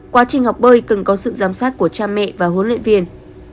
quá trình học bơi cần có sự giám sát của cha mẹ và huấn luyện viên